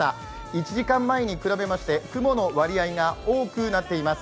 １時間前に比べまして雲の割合が多くなっています。